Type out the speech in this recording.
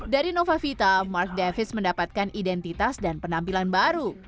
dari nova vita mark davis mendapatkan identitas dan penampilan baru